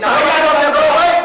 saya yang menanggung jawab